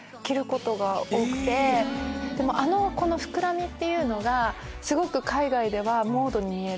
膨らみっていうのがすごく海外ではモードに見える。